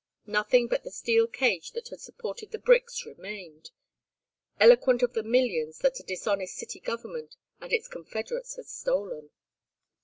Nothing but the steel cage that had supported the bricks remained: eloquent of the millions that a dishonest city government and its confederates had stolen.